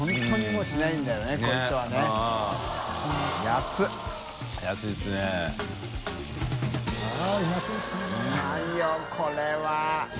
うまいよこれは。